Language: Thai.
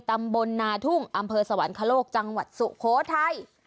ตำบลนาทุ่งอำเภอสวรรคโลกจังหวัดสุโขทัย